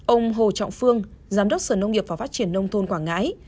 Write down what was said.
ông hồ trọng phương giám đốc sở nông nghiệp và phát triển nông thôn quảng ngãi